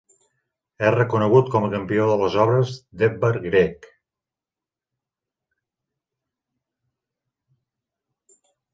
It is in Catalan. És reconegut com a campió de les obres d'Edvard Grieg.